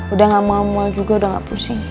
udah gak mau mal juga udah gak pusing